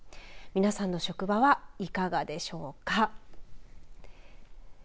皆さんの職場はいかがでしょうか。